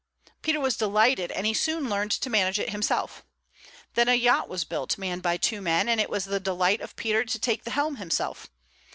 Peter was delighted; and he soon learned to manage it himself. Then a yacht was built, manned by two men, and it was the delight of Peter to take the helm himself.